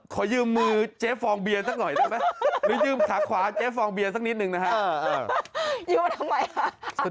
ขอยืมมือเจ๊ฟองเบียนสักหน่อยได้ไหมหรือยืมขาขวาเจ๊ฟองเบียนสักนิดหนึ่งนะครับ